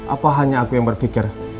apa hanya aku yang berpikir